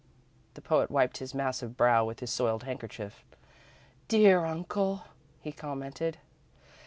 '" The poet wiped his massive brow with his soiled handkerchief. "Dear uncle!" he commented.